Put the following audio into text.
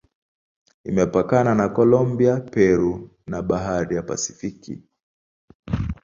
Imepakana na Kolombia, Peru na Bahari ya Pasifiki.